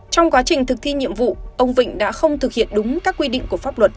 trong quá trình thực thi nhiệm vụ ông vịnh đã không thực hiện đúng các quy định của pháp luật